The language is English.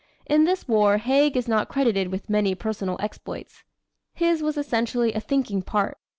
In this war, Haig is not credited with many personal exploits. His was essentially a thinking part.